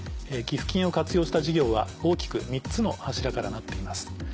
寄付金を活用した事業は大きく３つの柱からなっています。